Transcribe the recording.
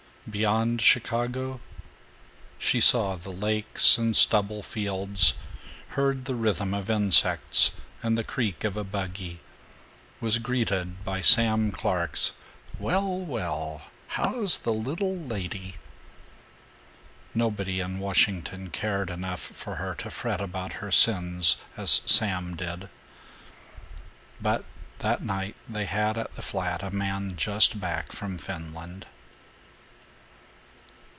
Beyond Chicago ? She saw the lakes and stubble fields, heard the rhythm of insects and the creak of a buggy, was greeted by Sam Clark's "Well, well, how's the little lady?" Nobody in Washington cared enough for her to fret about her sins as Sam did. But that night they had at the flat a man just back from Finland.